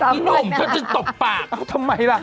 พี่หนุ่มเธอจึงตบปากทำไมล่ะ